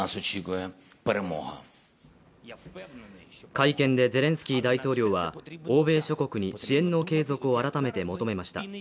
会見でゼレンスキー大統領は欧米諸国に支援の継続を改めて求めました。